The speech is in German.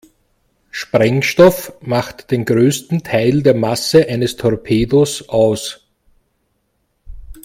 Sprengstoff macht den größten Teil der Masse eines Torpedos aus.